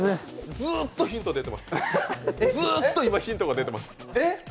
ずっとヒント出てます、ずっと今、ヒントが出てます。